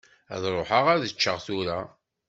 Ad ruḥeɣ ad ččeɣ tura.